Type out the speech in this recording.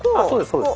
そうです。